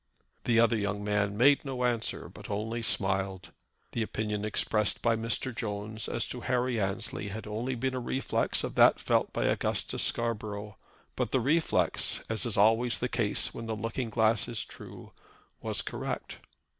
The other young man made no answer, but only smiled. The opinion expressed by Mr. Jones as to Harry Annesley had only been a reflex of that felt by Augustus Scarborough. But the reflex, as is always the case when the looking glass is true, was correct.